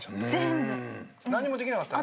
何もできなかったね。